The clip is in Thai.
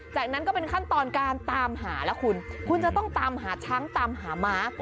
จากนั้นก็เป็นขั้นตอนการตามหาแล้วคุณคุณจะต้องตามหาช้างตามหาม้า